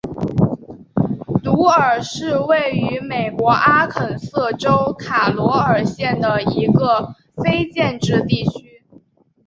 鲁尔是位于美国阿肯色州卡罗尔县的一个非建制地区。